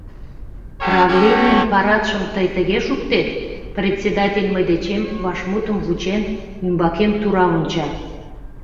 Правленийын парадшым тый тыге шуктет? — председатель, мый дечем вашмутым вучен, ӱмбакем тура онча.